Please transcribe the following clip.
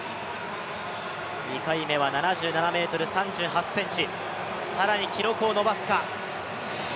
２回目は７７ｍ３８ｃｍ、更に記録を伸ばすか。